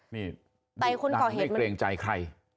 นี่ดูตังไม่เกรงใจใคร